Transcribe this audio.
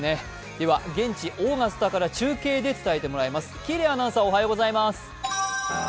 では、現地オーガスタから中継で伝えてもらいます。